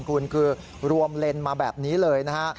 คุณคือรวมเลนมาแบบนี้เลยนะฮะ